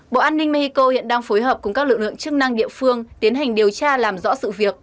bộ an ninh mexico hiện đang phối hợp cùng các lực lượng chức năng địa phương tiến hành điều tra làm rõ sự việc